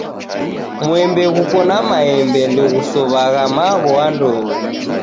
Mwembe ghukona maembe ndeghusowagha magho andonyi.